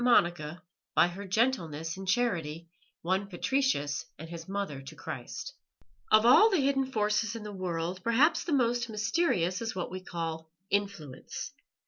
MONICA BY HER GENTLENESS AND CHARITY WON PATRICIUS AND HIS MOTHER TO CHRIST Of all the hidden forces in the world perhaps the most mysterious is what we call "influence."